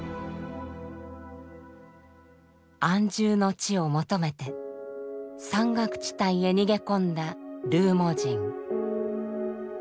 安住の地を求めて山岳地帯へ逃げ込んだルーモ人。